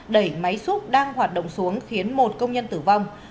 đẩy máy xúc đang hoạt động xuống khiến một công nhân tử vong